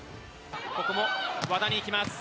ここもわだにいきます。